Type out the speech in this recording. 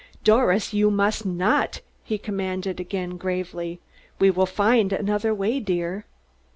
"Doris, you must not!" he commanded again gravely. "We will find another way, dear."